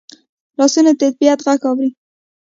لاسونه د طبیعت غږ اوري